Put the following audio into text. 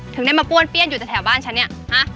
ถึงได้มาป้วนเปี้ยนอยู่แต่แถวบ้านฉันเนี่ยฮะ